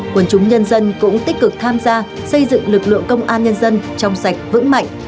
quân chúng nhân dân cũng tích cực tham gia xây dựng lực lượng công an nhân dân trong sạch vững mạnh